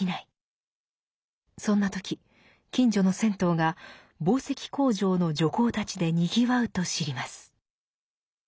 そんな時近所の銭湯が紡績工場の女工たちでにぎわうと知ります。